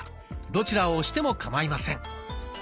どちらを押してもかまいません。